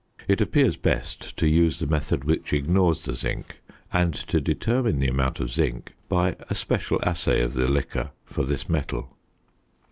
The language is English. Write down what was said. It appears best to use the method which ignores the zinc; and to determine the amount of zinc by a special assay of the liquor for this metal.